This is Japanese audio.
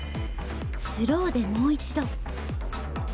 スローでもう一度。